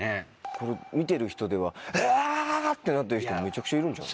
これ見てる人では「え！」ってなってる人めちゃくちゃいるんじゃ？